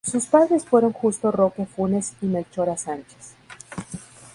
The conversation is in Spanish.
Sus padres fueron Justo Roque Funes y Melchora Sánchez.